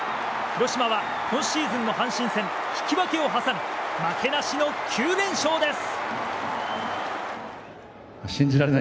広島は今シーズンの阪神戦引き分けを挟み負けなしの９連勝です。